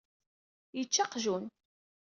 Yečča aqjun.